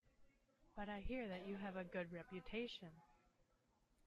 But I hear that you have a good reputation.